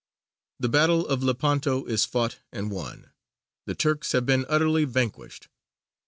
The battle of Lepanto is fought and won: the Turks have been utterly vanquished.